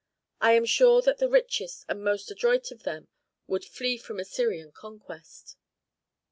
I am sure that the richest and most adroit of them would flee from Assyrian conquest."